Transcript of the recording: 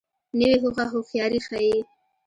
نوې هوښه هوښیاري ښیي